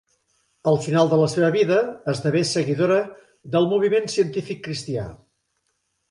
Al final de la seva vida, esdevé seguidora del moviment científic cristià.